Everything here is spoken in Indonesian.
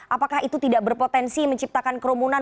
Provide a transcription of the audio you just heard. apakah itu tidak berpotensi menciptakan kerumunan